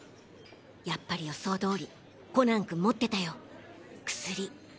やっぱり予想通りコナン君持ってたよ薬。